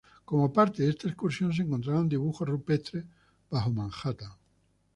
Como parte de esta excursión, se encontraron dibujos rupestres bajo Manhattan.